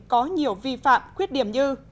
có nhiều vi phạm khuyết điểm như